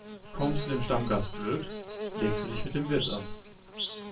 Kommst du dem Stammgast blöd, legst du dich mit dem Wirt an.